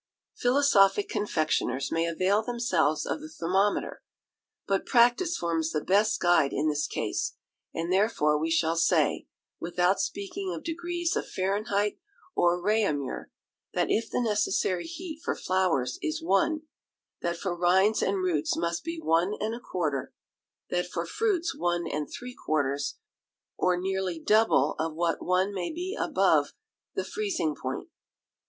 Philosophic confectioners may avail themselves of the thermometer; but practice forms the best guide in this case, and therefore we shall say, without speaking of degrees of Fahrenheit or Réaumur, that if the necessary heat for flowers is one, that for rinds and roots must be one and a quarter, that for fruits one and three quarters, or nearly double of what one may be above the freezing point.